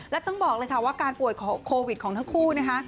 และต้องบอกเลยค่ะว่าการป่วยโควิดของทั้งคู่นะคะ